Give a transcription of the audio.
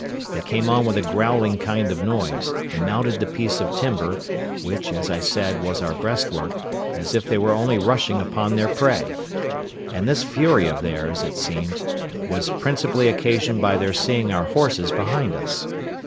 They came on with a growling kind of noise, and mounted the piece of timber, which, as I said, was our breastwork, as if they were only rushing upon their prey; and this fury of theirs, it seems, was principally occasioned by their seeing our horses behind us.